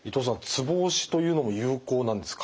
ツボ押しというのも有効なんですか？